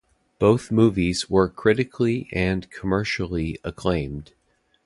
Both movies were critically and commercially acclaimed.